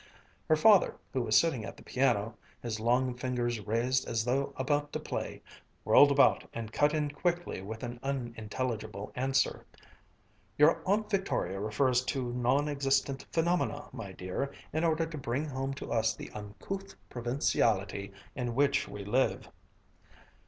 Her father, who was sitting at the piano, his long fingers raised as though about to play, whirled about and cut in quickly with an unintelligible answer, "Your Aunt Victoria refers to non existent phenomena, my dear, in order to bring home to us the uncouth provinciality in which we live."